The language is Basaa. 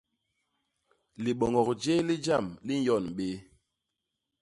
Libônôk jéé li jam li nyon bé.